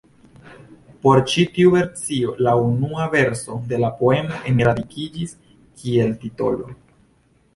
Por ĉi tiu versio la unua verso de la poemo enradikiĝis kiel titolo.